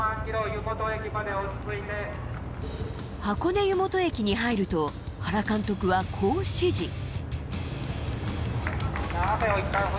箱根湯本駅に入ると原監督は、こう指示。